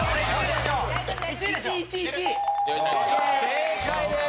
正解です。